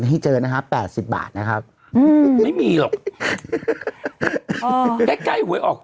ให้เจอนะฮะ๘๐บาทนะครับไม่มีหรอกใกล้ใกล้หวยออก